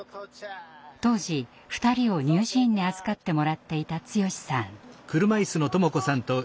当時２人を乳児院に預かってもらっていた剛さん。